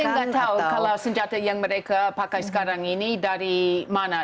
saya nggak tahu kalau senjata yang mereka pakai sekarang ini dari mana